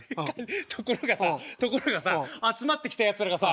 ところがさところがさ集まってきたやつらがさ